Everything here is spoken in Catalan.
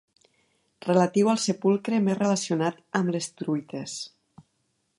Relatiu al sepulcre més relacionat amb les truites.